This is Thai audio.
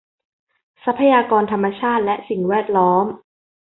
ทรัพยากรธรรมชาติและสิ่งแวดล้อม